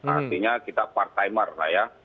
artinya kita part timer lah ya